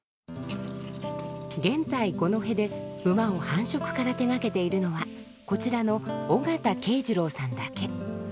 現在五戸で馬を繁殖から手がけているのはこちらの尾形恵司郎さんだけ。